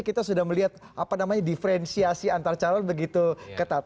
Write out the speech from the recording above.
kita sudah melihat diferensiasi antar calon begitu ketat